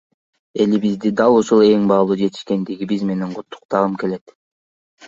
Элимди дал ушул эң баалуу жетишкендигибиз менен куттуктагым келет!